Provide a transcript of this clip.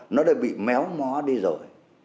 nó đã bị méo mó đi rồi